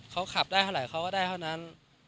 เขาขับได้เท่าไหร่เขาก็ได้เท่านั้น